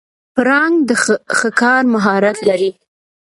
پړانګ د ښکار مهارت لري.